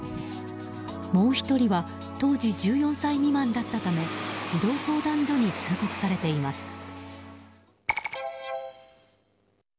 もう１人は当時１４歳未満だったため児童相談所に通告されています。